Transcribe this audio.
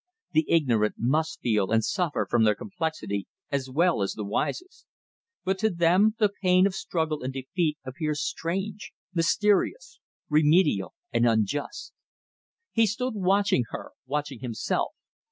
The ignorant must feel and suffer from their complexity as well as the wisest; but to them the pain of struggle and defeat appears strange, mysterious, remediable and unjust. He stood watching her, watching himself.